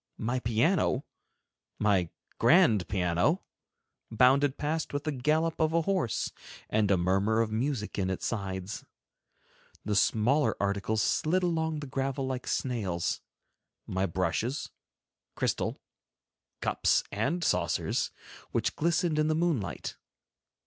My piano, my grand piano, bounded past with the gallop of a horse and a murmur of music in its sides; the smaller articles slid along the gravel like snails, my brushes, crystal, cups and saucers, which glistened in the moonlight.